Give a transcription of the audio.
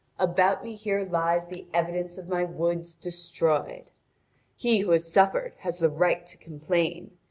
About me here lies the evidence of my woods destroyed. He who has suffered has the right to complain.